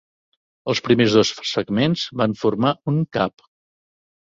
Els primers dos segments van formar un "cap".